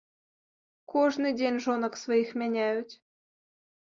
Кожны дзень жонак сваіх мяняюць.